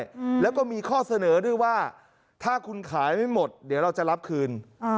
อืมแล้วก็มีข้อเสนอด้วยว่าถ้าคุณขายไม่หมดเดี๋ยวเราจะรับคืนอ่า